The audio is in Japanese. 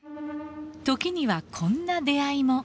時にはこんな出会いも。